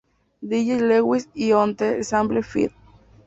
Dj Lewis y "On Est Ensemble" feat.